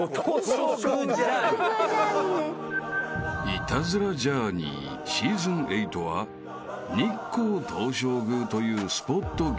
［『イタズラ×ジャーニー』シーズン８は日光東照宮というスポット限定ジャーニー］